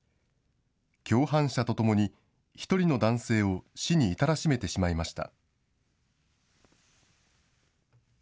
共犯者とともに、１人の男性を死に至らしめてしまいました。